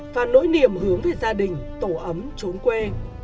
và nỗi niềm hướng về gia đình tổ ấm trốn quê